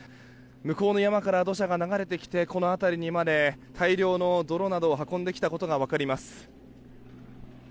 向こうの山から土砂が流れてきてこの辺りにまで大量の泥などを運んできたことが分かります。